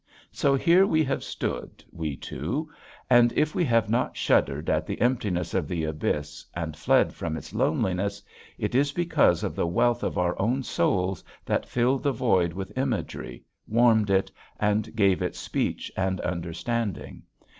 So here we have stood, we two, and if we have not shuddered at the emptiness of the abyss and fled from its loneliness, it is because of the wealth of our own souls that filled the void with imagery, warmed it, and gave it speech and understanding.